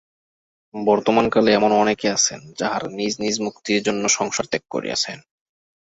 বর্তমানকালে এমন অনেকে আছেন, যাঁহারা নিজ নিজ মুক্তির জন্য সংসার ত্যাগ করিয়াছেন।